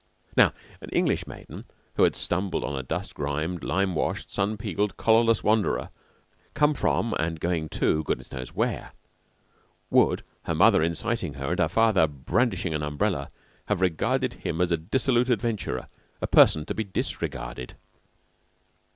Now, an English maiden who had stumbled on a dust grimed, lime washed, sun peeled, collarless wanderer come from and going to goodness knows where, would, her mother inciting her and her father brandishing an umbrella, have regarded him as a dissolute adventurer a person to be disregarded.